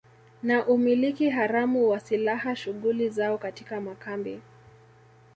na umiliki haramu wa silaha shughuli zao katika makambi